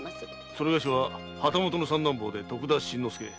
某は旗本の三男坊で徳田新之助。